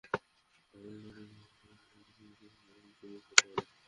ক্রমান্বয়ে খালটিও ভরাট করে দখল সম্প্রসারণ করায় খালটির অস্তিত্ব হুমকির মুখে পড়ে।